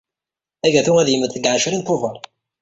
Agatu ad yemmet deg ɛecrin Tubeṛ.